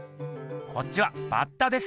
こっちはバッタです。